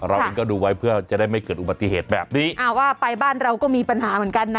เราเองก็ดูไว้เพื่อจะได้ไม่เกิดอุบัติเหตุแบบนี้อ่าว่าไปบ้านเราก็มีปัญหาเหมือนกันนะ